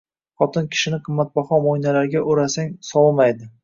Xotin kishini qimmatbaho mo`ynalarga o`rasang sovimaydi